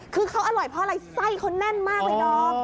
คือเขาอร่อยเพราะอะไรไส้เขาแน่นมากเลยดอม